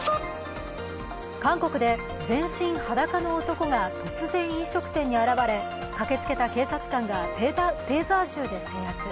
韓国で全身裸の男が突然、飲食店に現れ駆けつけた警察官がテーザー銃で制圧。